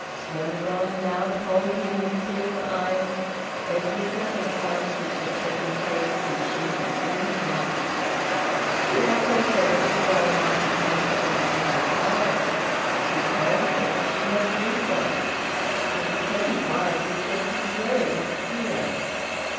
Shiônagon now told him with tearful eyes every circumstance which had taken place since she had seen him. She also said that the girl might be handed over to her father, who told her that she must do so, but his present wife was said to be very austere.